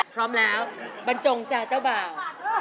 พร้อมแล้วบรรจงจ้าเจ้าบ่าว